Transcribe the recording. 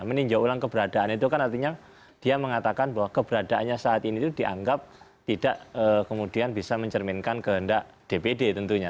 meninjau ulang keberadaan itu kan artinya dia mengatakan bahwa keberadaannya saat ini itu dianggap tidak kemudian bisa mencerminkan kehendak dpd tentunya